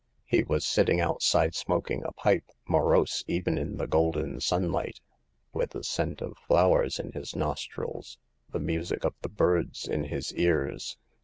He was sitting outside smoking a pipe, morose even in the golden sunlight, with the scent of flowers in his nostrils, the music of the birds in his ears.